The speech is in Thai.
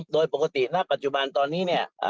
โดยปกติหน้าปัจจุบันตอนนี้